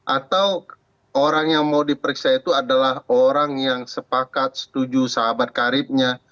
atau orang yang mau diperiksa itu adalah orang yang sepakat setuju sahabat karibnya